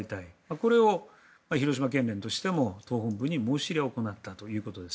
これを広島県連としても党本部に申し入れを行ったということです。